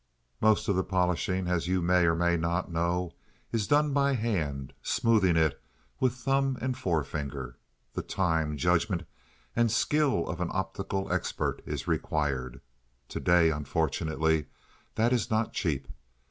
Most of the polishing, as you may or may not know, is done by the hand—smoothing it with the thumb and forefinger. The time, judgment, and skill of an optical expert is required. To day, unfortunately, that is not cheap.